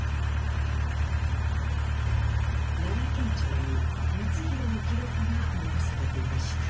奈良県庁に光宏の記録が残されていました。